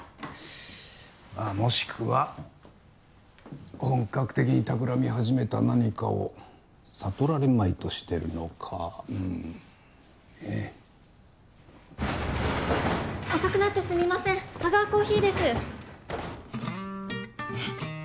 まあもしくは本格的に企み始めた何かを悟られまいとしてるのかうんねえ遅くなってすみませんハガーコーヒーですえっ！？